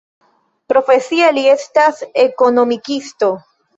Profesie li estas ekonomikisto.